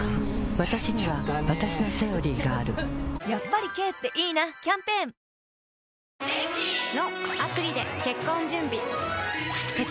わたしにはわたしの「セオリー」があるやっぱり軽っていいなキャンペーンサーフィンがしたいです。